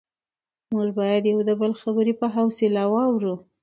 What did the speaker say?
موږ باید د یو بل خبرې په حوصله واورو